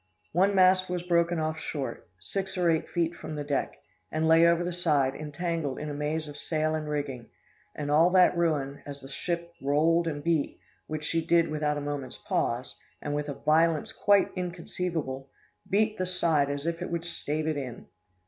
"One mast was broken off short, six or eight feet from the deck, and lay over the side, entangled in a maze of sail and rigging; and all that ruin, as the ship rolled and beat which she did without a moment's pause, and with a violence quite inconceivable beat the side as if it would stave it in.